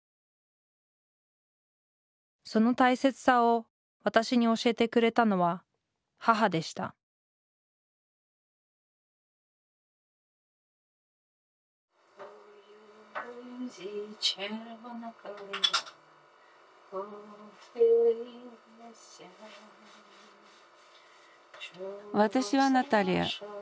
その大切さを私に教えてくれたのは母でした私はナタリヤ。